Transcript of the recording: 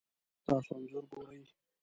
تاسو انځور ګورئ